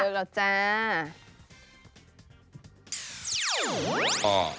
เลิกแล้วจ้า